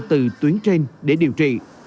từ tuyến trên để điều trị